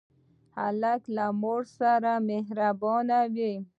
هلک له مور سره مهربان وي.